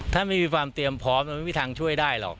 ถ้าไม่มีความเตรียมพร้อมมันไม่มีทางช่วยได้หรอก